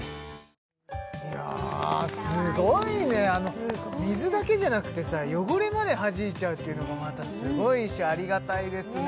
いやすごいねかわいい水だけじゃなくてさ汚れまではじいちゃうっていうのもまたすごいしありがたいですねね